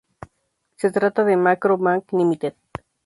Se trata de Macro Bank Limited.